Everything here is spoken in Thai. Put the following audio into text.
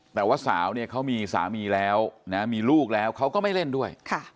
แต่ว่าสาวเนี่ยเขามีสามีแล้วนะมีลูกแล้วเขาก็ไม่เล่นด้วย